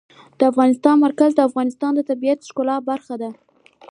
د هېواد مرکز د افغانستان د طبیعت د ښکلا برخه ده.